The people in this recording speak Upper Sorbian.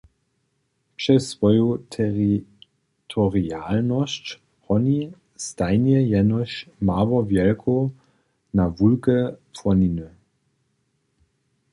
Přez swoju teritorialnosć honi stajnje jenož mało wjelkow na wulkej płoninje.